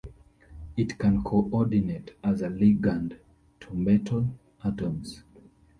It can coordinate as a ligand to metal atoms.